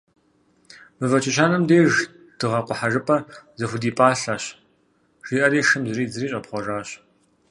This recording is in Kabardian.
«Мывэ чэщанэм деж дыгъэ къухьэжыгъуэр зыхудипӏалъэщ», жиӏэри, шым зридзыри щӏэпхъуэжащ.